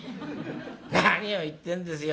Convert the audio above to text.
「何を言ってんですよ。